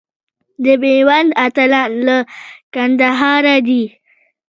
د میوند اتلان له کندهاره دي.